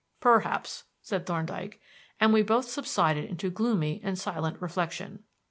"Perhaps," said Thorndyke; and we both subsided into gloomy and silent reflection.